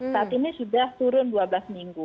saat ini sudah turun dua belas minggu